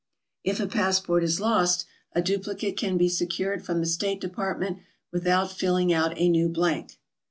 If a passport is lost, a duplicate can be secured from the State Department without filling out a new blank.